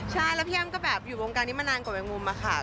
ใช่แล้วพี่อ้ำก็แบบอยู่วงการนี้มานานกว่าแมงมุมอะค่ะ